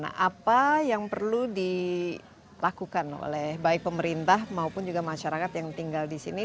nah apa yang perlu dilakukan oleh baik pemerintah maupun juga masyarakat yang tinggal di sini